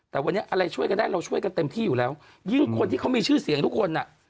แต่วันนี้อะไรช่วยกันได้เราช่วยกันเต็มที่อยู่แล้วยิ่งคนที่เขามีชื่อเสียงทุกคนอ่ะ